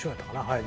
はい。